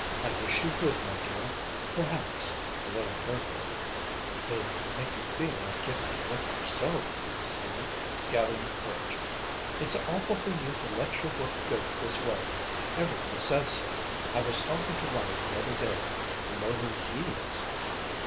"I wish you would, my dear; perhaps" a little fearfully "they'd make you feel like getting to work yourself. Ernestine," gathering courage "it's awful for you to let your work go this way. Every one says so. I was talking to Ryan the other day you know who he is?